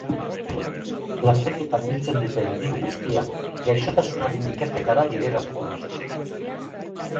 Lasterketan biltzen duten diru guztia gaixotasunaren ikerketara bideratuko dute.